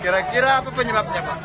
kira kira apa penyebabnya pak